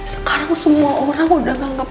sekarang semua orang udah tangkap